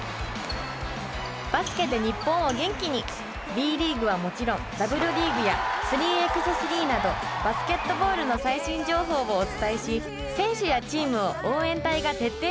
ＢリーグはもちろんＷリーグや３×３などバスケットボールの最新情報をお伝えし選手やチームを応援隊が徹底取材。